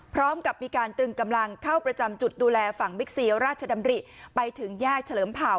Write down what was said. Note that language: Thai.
พร้อมกับมีการตรึงกำลังเข้าประจำจุดดูแลฝั่งบิ๊กซีราชดำริไปถึงแยกเฉลิมเผ่า